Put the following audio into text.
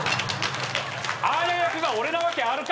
アーニャ役が俺なわけあるか！